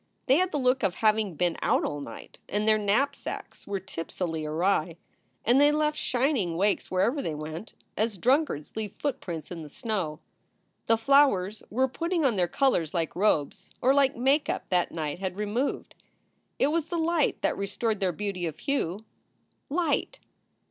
They had the look of having been out all night and their knapsacks were tipsily awry. And they left shining wakes wherever they went, as drunk ards leave footprints in the snow. The flowers were putting on their colors like robes, or like make up that night had removed. It was the light that restored their beauty of hue. Light!